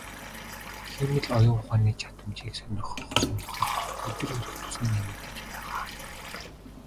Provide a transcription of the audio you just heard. Хиймэл оюун ухааны чадамжийг сонирхох сонирхол өдөр ирэх тусам нэмэгдэж байгаа.